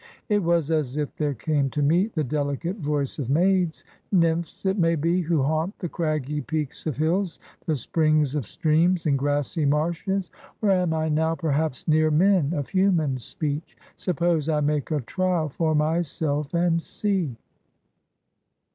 It was as if there came to me the delicate voice of maids — nymphs, it may be, who haunt the craggy peaks of hills, the springs of streams and grassy marshes; or am I now, perhaps, near men of human speech? Suppose I make a trial for myself, and see."